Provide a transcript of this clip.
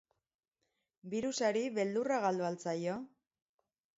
Birusari beldurra galdu al zaio?